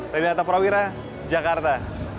renata prawira jakarta